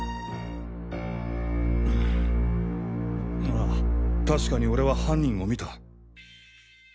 ああ確かに俺は犯人を見た。